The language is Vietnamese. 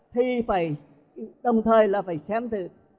thì phải đồng thời là phải xem từ